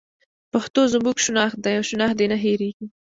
پښتو زموږ شناخت دی او شناخت دې نه هېرېږي.